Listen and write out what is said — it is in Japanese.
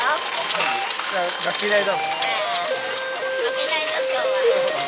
はい。